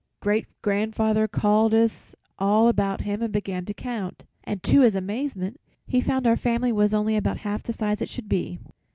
"Great grandfather called us all about him and began to count, and to his amazement he found our family was only about half the size it should be.